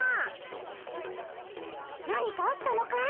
何かあったのかい？